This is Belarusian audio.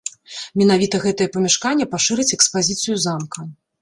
Менавіта гэтае памяшканне пашырыць экспазіцыю замка.